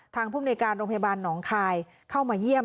ภูมิในการโรงพยาบาลหนองคายเข้ามาเยี่ยม